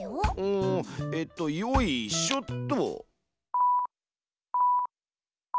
んえっとよいしょっと。